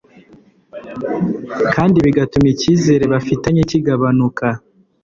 kandi bigatuma icyizere bafitanye kigabanuka